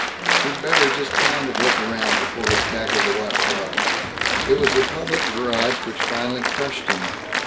He'd better "just kind of look around before he tackled the watch dog." It was the public garage which finally crushed him.